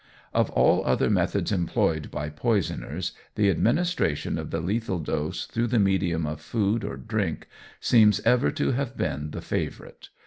Of all other methods employed by poisoners, the administration of the lethal dose through the medium of food or drink seems ever to have been the favourite.